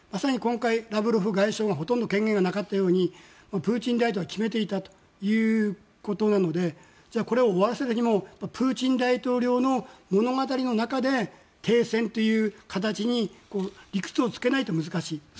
今回、ラブロフ外相にほとんど権限がなかったようにプーチン大統領が決めていたということなのでじゃあ、これを終わらせるにもプーチン大統領の物語の中で停戦という形に理屈をつけないと難しい。